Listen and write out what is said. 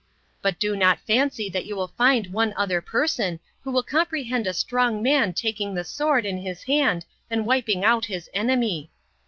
But do not fancy that you will find one other person who will comprehend a strong man taking the sword in his hand and wiping out his enemy.